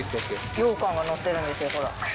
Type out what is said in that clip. ようかんがのってるんですよほら。